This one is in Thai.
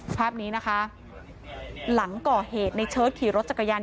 ภาพนี้นะคะหลังก่อเหตุในเชิดขี่รถจักรยาน